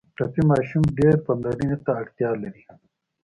ټپي ماشوم ډېر پاملرنې ته اړتیا لري.